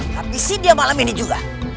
tapi si dia malam ini juga